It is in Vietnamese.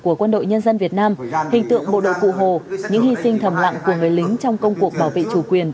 của quân đội nhân dân việt nam hình tượng bộ đội cụ hồ những hy sinh thầm lặng của người lính trong công cuộc bảo vệ chủ quyền